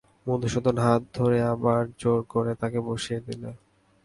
মধুসূদন হাত ধরে আবার জোর করে তাকে বসিয়ে দিলে।